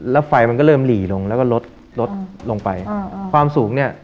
แล้วไฟมันก็เริ่มหลีลงแล้วก็ลดลดลงไปอ่าความสูงเนี่ย